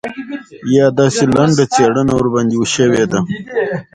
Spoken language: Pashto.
یا داسې لنډه څېړنه ورباندې شوې ده.